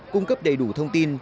cung cấp đầy đủ thông tin